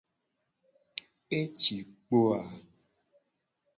Eci kpo a?